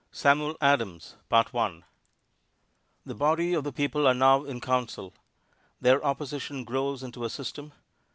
SAMUEL ADAMS The body of the people are now in council. Their opposition grows into a system.